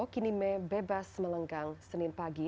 kini mebebas melenggang senin pagi